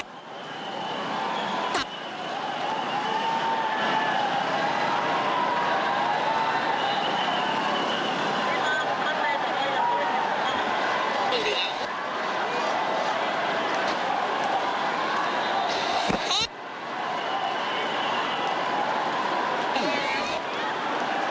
ตอนนี้ก็เดินทางมา